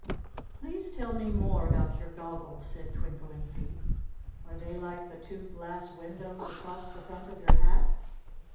"Please tell me more about your goggles," said Twinkling Feet. "Are they like the two glass windows across the front of your hat?"